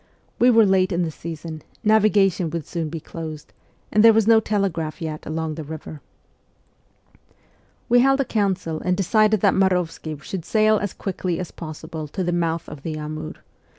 We were late in the season, navigation would soon be closed, and there was no telegraph yet along the river. We held a council and decided that Marovsky should sail as quickly as possible to the mouth of the Amur.